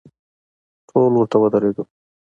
ټول ورته ودریدو.